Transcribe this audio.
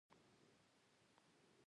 د تورې اریړې استعمال د څه لپاره ګټور دی؟